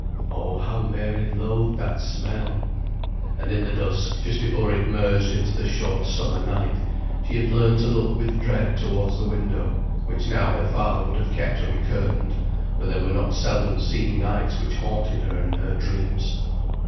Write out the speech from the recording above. Oh, how Mary loathed that smell! And in the dusk, just before it merged into the short summer night, she had learned to look with dread towards the window, which now her father would have kept uncurtained; for there were not seldom seen sights which haunted her in her dreams.